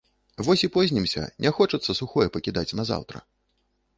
Вось і познімся, не хочацца сухое пакідаць на заўтра!